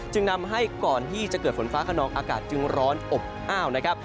จึงนำให้ก่อนที่จะเกิดฝนฟ้าขนองอากาศจึงร้อนอบอ้าวนะครับ